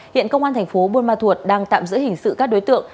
hiện công an thành phố buôn ma thuột đang tạm giữ hình sự các đối tượng